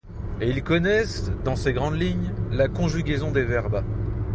Et ils connaissent, dans ses grandes lignes, la conjugaison des verbes.